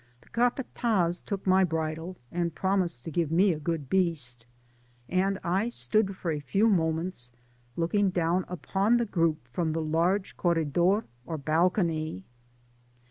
The capat&z took my bridle and promised to give me a good beast, and I stood for a few moments looking down upon the group from the large corredor or balcony.